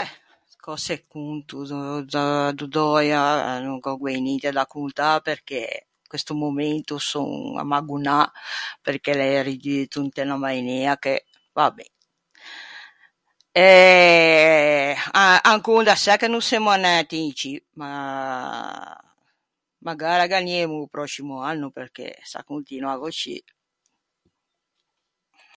Eh, cöse conto do da do Döia, no gh’ò guæi ninte da contâ perché questo momento son ammagonâ perché l’é riduto inte unna mainea che... va ben. Eh a- ancon d’assæ che no semmo anæti in C, ma magara gh’aniemo o pròscimo anno perché s’a continua coscì...